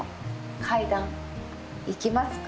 階段行きますか。